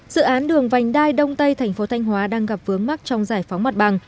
dự án đường vành đai đông tây thành phố thanh hóa đang gặp vướng mắt trong giải phóng mặt bằng